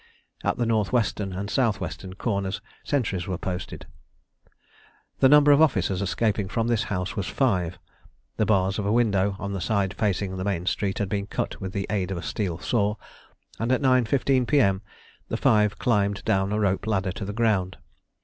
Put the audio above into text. At the north western and south western corners sentries were posted. The number of officers escaping from this house was five. The bars of a window on the side facing the main street had been cut with the aid of a steel saw, and at 9.15 P.M. the five climbed down a rope ladder to the ground.